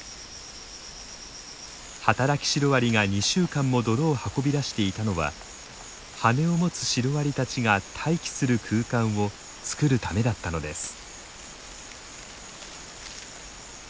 働きシロアリが２週間も泥を運び出していたのは羽を持つシロアリたちが待機する空間を作るためだったのです。